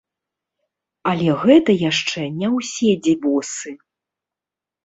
Але гэта яшчэ не ўсе дзівосы!